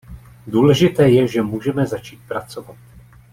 Důležité je, že můžeme začít pracovat.